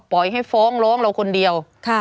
ปล่อยให้ฟ้องร้องเราคนเดียว